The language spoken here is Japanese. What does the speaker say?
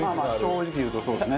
正直言うとそうですね。